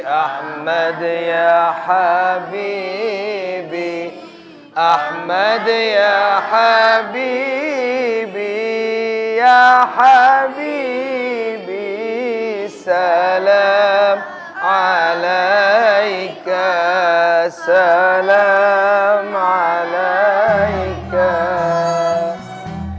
ahmad ya habibie ahmad ya habibie ya habibie salam alaika salam alaika